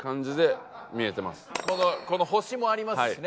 この星もありますしね。